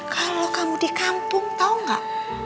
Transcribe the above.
kalau kamu di kampung tau gak